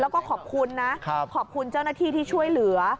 แล้วก็ขอบคุณนะขอบคุณเจ้าหน้าที่ที่ช่วยเหลือ